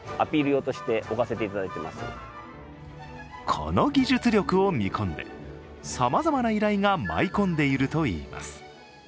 この技術力を見込んで、さまざまな依頼が舞い込んでいるといいます。